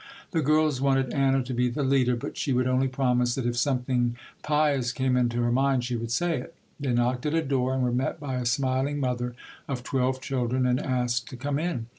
The girls wanted Anna to be the leader, but she would only promise that if something pious came into her mind, she would say it. They knocked at a door and were met by a smiling mother of twelve children and asked to come in.